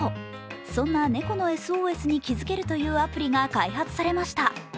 そんな猫のＳＯＳに気づけるというアプリが開発されました。